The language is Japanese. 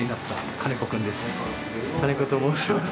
金子と申します。